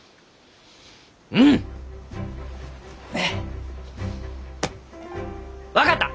うん！分かった！